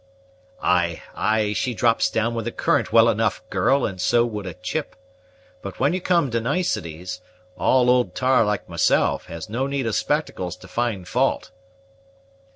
"Ay, ay; she drops down with a current well enough, girl, and so would a chip. But when you come to niceties, all old tar like myself has no need of spectacles to find fault."